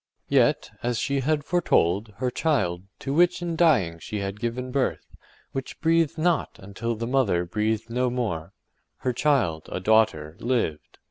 Yet, as she had foretold, her child, to which in dying she had given birth, which breathed not until the mother breathed no more, her child, a daughter, lived.